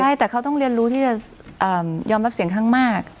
ใช่แต่เขาต้องเรียนรู้ที่จะยอมรับเสียงข้างมาก